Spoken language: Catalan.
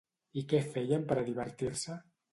I què feien per a divertir-se?